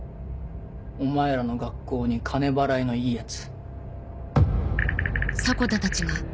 お前らの学校に金払いのいいやつ。